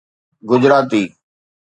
Gujarati